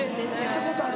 聞いたことある。